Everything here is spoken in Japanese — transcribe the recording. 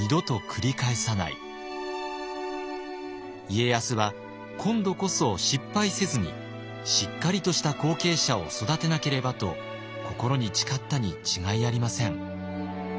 家康は今度こそ失敗せずにしっかりとした後継者を育てなければと心に誓ったに違いありません。